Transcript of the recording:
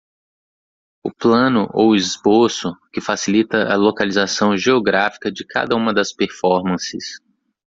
O plano ou esboço, que facilita a localização geográfica de cada uma das performances.